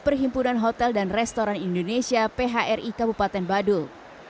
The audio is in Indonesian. perhimpunan hotel dan restoran indonesia phri kabupaten badul